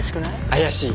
怪しい。